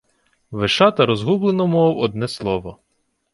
Вишата розгублено мовив одне слово: